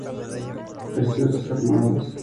Peciolos armados.